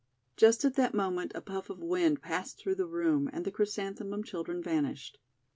Just at that moment a puff of wind passed through the room, and the Chrysanthemum children vanished.